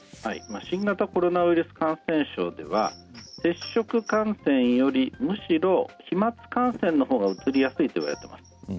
新型コロナウイルス感染症では接触感染よりむしろ飛まつ感染のほうがうつりやすいと言われています。